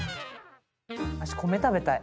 私米食べたい。